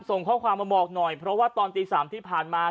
ส่งข้อความมาบอกหน่อยเพราะว่าตอนตี๓ที่ผ่านมา